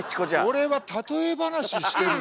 オレは例え話してるの。